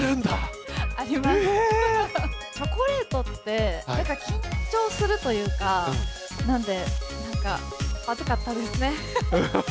チョコレートって、なんか緊張するというか、なんで、ハズかったですね。